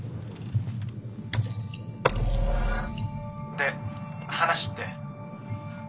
「で話って？」。